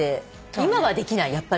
今はできないやっぱり。